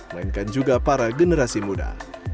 melainkan juga para generasi muda